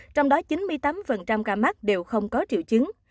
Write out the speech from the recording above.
trong đó chín mươi tám ca mắc đều không có triệu chứng